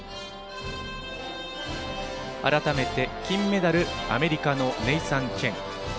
改めて、金メダルアメリカのネイサン・チェン。